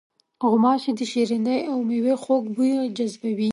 غوماشې د شریني او میوې خوږ بوی جذبوي.